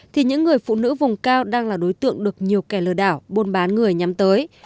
thì những người phụ nữ vùng cao đang là đối tượng được nhiều kẻ lừa đảo buôn bán người nhắm tới